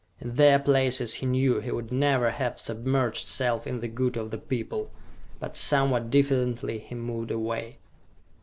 In their places he knew he would never have submerged self in the good of the people. But, somewhat diffidently, he moved away.